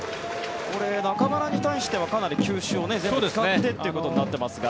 中村に対しては球種を全部使ってということになっていますが。